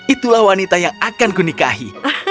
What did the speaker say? itulah wanita yang akan ku nikahi